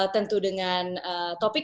tentu dengan topik